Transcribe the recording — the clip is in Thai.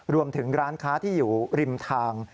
รวมถึงร้านค้าที่อยู่ริมทาง